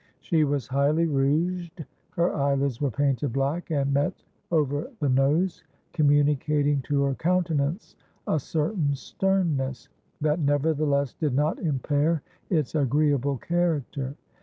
She was highly rouged, her eyelids were painted black and met over the nose, communicating to her countenance a certain sternness, that, nevertheless, did not impair its agreeable character.